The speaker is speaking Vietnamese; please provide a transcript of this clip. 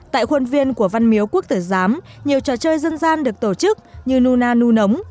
tại khuôn viên của văn miếu quốc tử giám nhiều trò chơi dân gian được tổ chức như nuna nu nấng